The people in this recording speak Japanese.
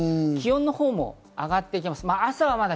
気温も上がってきます。